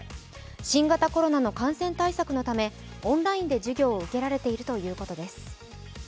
新型コロナの感染対策のためオンラインで授業を受けられているということです。